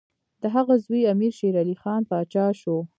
د هغه زوی امیر شېرعلي خان پاچا شو.